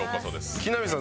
木南さん